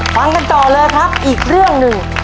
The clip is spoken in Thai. ฟังกันต่อเลยครับอีกเรื่องหนึ่ง